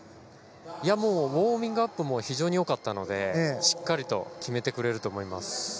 もうウォーミングアップも非常に良かったのでしっかりと決めてくれると思います。